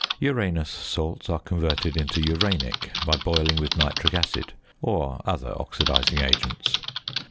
Uranous salts are converted into uranic by boiling with nitric acid or other oxidising agents.